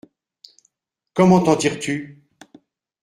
Comment t’en tires-tu ?